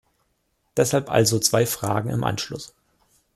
Deshalb also zwei Fragen im Anschluss.